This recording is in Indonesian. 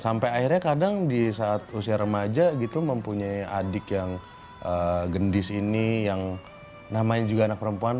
sampai akhirnya kadang di saat usia remaja gitu mempunyai adik yang gendis ini yang namanya juga anak perempuan